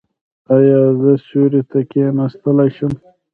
ایا زه سیوري ته کیناستلی شم؟